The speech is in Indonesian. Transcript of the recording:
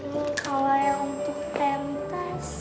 kalau yang untuk pen tas